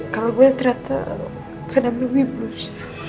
kalau gue ternyata karena bebek blus